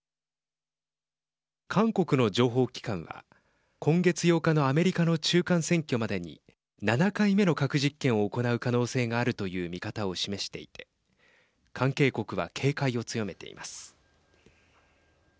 韓国の情報機関は今月８日のアメリカの中間選挙までに７回目の核実験を行う可能性があるという見方を示していて関係国は警戒を強めています。